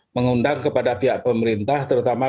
mengundang kepada pihak pemerintah terutama